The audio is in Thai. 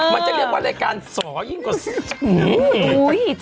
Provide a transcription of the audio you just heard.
มันจะเรียกว่ารายการสอยิ่งกว่า